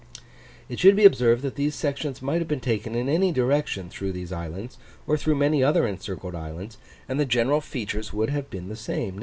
It should be observed that the sections might have been taken in any direction through these islands, or through [picture] many other encircled islands, and the general features would have been the same.